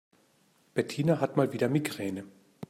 Bettina hat mal wieder Migräne.